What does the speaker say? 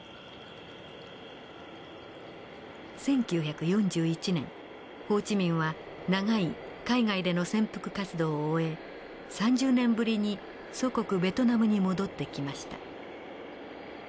１９４１年ホー・チ・ミンは長い海外での潜伏活動を終え３０年ぶりに祖国ベトナムに戻ってきました。